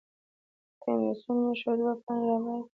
د کمېسیون مشر دوه پاڼې راباسي.